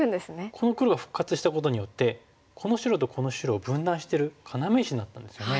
この黒が復活したことによってこの白とこの白を分断してる要石になったんですよね。